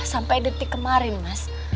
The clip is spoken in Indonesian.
sampai detik kemarin mas